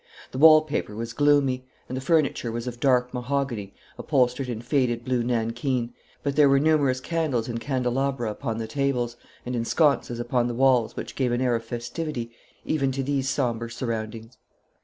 The wall paper was gloomy, and the furniture was of dark mahogany upholstered in faded blue nankeen, but there were numerous candles in candelabra upon the tables and in sconces upon the walls which gave an air of festivity even to these sombre surroundings.